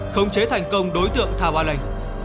khống chế thành công đối tượng thảo an lệnh